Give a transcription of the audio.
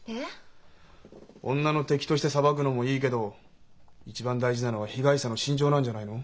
女の敵として裁くのもいいけど一番大事なのは被害者の心情なんじゃないの？